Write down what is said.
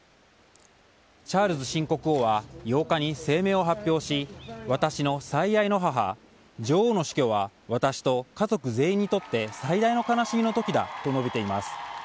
チャールズ新国王は８日に声明を発表し私の最愛の母女王の死去は私と家族全員にとって最大の悲しみの時だと述べています。